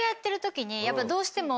どうしても。